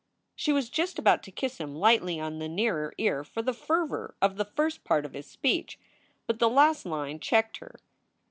She was just about to kiss him lightly on the nearer ear for the fervor of the first part of his speech. But the last line checked her.